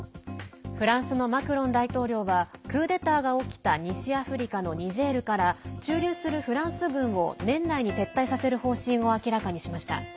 フランスのマクロン大統領はクーデターが起きた西アフリカのニジェールから駐留するフランス軍を年内に撤退させる方針を明らかにしました。